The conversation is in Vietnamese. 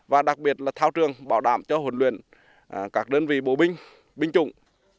và đặc biệt là thao trường bảo đảm cho huấn luyện các đơn vị bố binh binh chủng